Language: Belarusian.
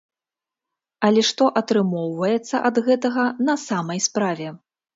Але што атрымоўваецца ад гэтага на самай справе?